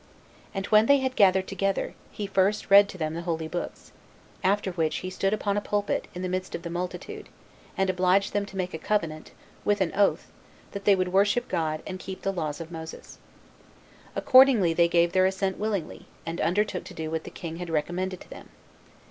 And when they had gathered together, he first read to them the holy books; after which he stood upon a pulpit, in the midst of the multitude, and obliged them to make a covenant, with an oath, that they would worship God, and keep the laws of Moses. Accordingly, they gave their assent willingly, and undertook to do what the king had recommended to them.